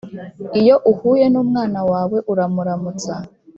Iyo uhuye n’umwana wawe uramuramutsa